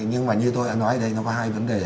nhưng mà như tôi đã nói đấy nó có hai vấn đề